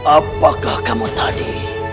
apakah kamu tadi